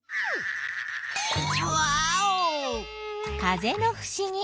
風のふしぎ。